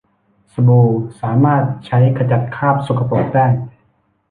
สบู่สามารถใช้ขจัดคราบสกปรกได้